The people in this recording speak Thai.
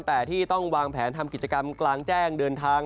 แต่ที่ต้องวางแผนทำกิจกรรมกลางแจ้งเดินทาง